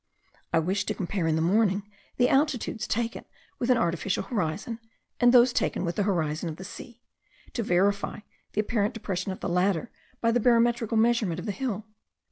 I wished to compare in the morning the altitudes taken with an artificial horizon and those taken with the horizon of the sea; to verify the apparent depression of the latter, by the barometrical measurement of the hill.